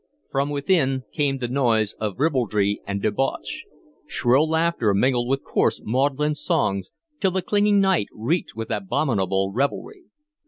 From within came the noise of ribaldry and debauch. Shrill laughter mingled with coarse, maudlin songs, till the clinging night reeked with abominable revelry.